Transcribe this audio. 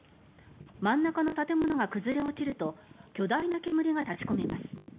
真ん中の建物が崩れ落ちると巨大な煙が立ち込めます。